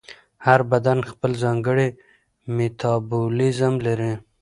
هر بدن خپل ځانګړی میتابولیزم لري.